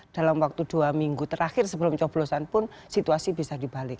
dalam waktu dua minggu terakhir sebelum coblosan pun situasi bisa dibalik